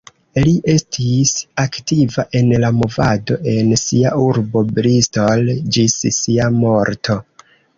Li estis aktiva en la movado en sia urbo Bristol, ĝis sia morto.